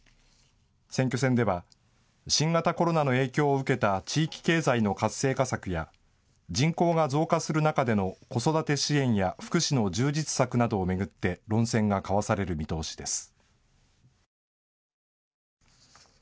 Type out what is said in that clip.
選挙戦では新型コロナの影響を受けた地域経済の活性化策や人口が増加する中での子育て支援や福祉の充実策などを巡って論戦が交わされる見通しです。